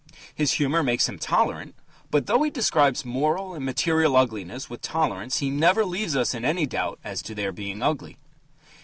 His humour makes him tolerant, but, though he describes moral and material ugliness with tolerance, he never leaves us in any doubt as to their being ugly.